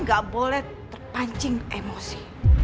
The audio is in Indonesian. gak boleh terpancing emosi